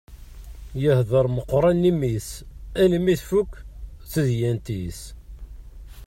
Yehder meqqran i mmi-s almi tfukk tedyant-is.